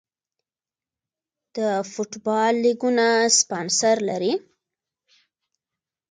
د فوټبال لیګونه سپانسر لري